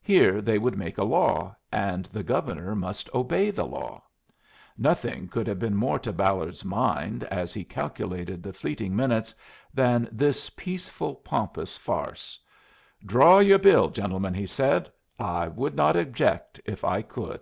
Here they would make a law, and the Governor must obey the law! Nothing could have been more to Ballard's mind as he calculated the fleeting minutes than this peaceful, pompous farce. "Draw your bill, gentlemen," he said. "I would not object if I could."